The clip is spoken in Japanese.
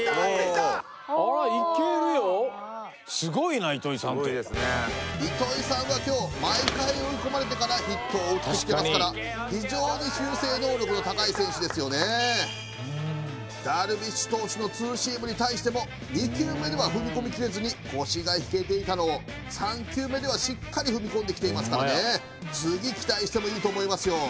あらいけるよ糸井さんは今日毎回追い込まれてからヒットを打ってきてますからダルビッシュ投手のツーシームに対しても２球目では踏み込みきれずに腰が引けていたのを３球目ではしっかり踏み込んできていますからね次期待してもいいと思いますよ